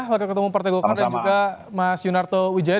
waktu ketemu partai gokart dan juga mas yunarto widjaya